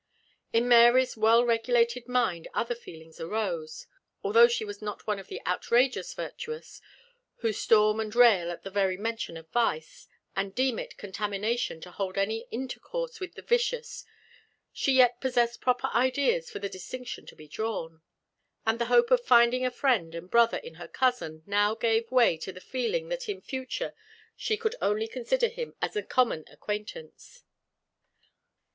In Mary's well regulated mind other feelings arose. Although she was not one of the outrageous virtuous, who storm and rail at the very mention of vice, and deem it contamination to hold any intercourse with the vicious, she yet possessed proper ideas for the distinction to be drawn; and the hope of finding a friend and brother in her cousin now gave way to the feeling that in future she could only consider him as an common acquaintance.